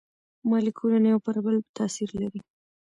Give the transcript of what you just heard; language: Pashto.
مالیکولونه یو پر بل تاثیر لري.